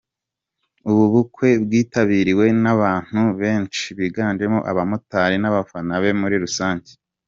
Ubu bukwe bwitabiriwe n’abantu benshi biganjemo abamotari n’abafana be muri rusange.